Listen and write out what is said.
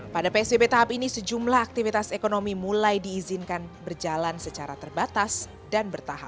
pada psbb tahap ini sejumlah aktivitas ekonomi mulai diizinkan berjalan secara terbatas dan bertahap